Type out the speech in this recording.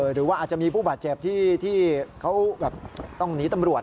หรือว่าอาจจะมีผู้บาดเจ็บที่เขาต้องหนีตำรวจ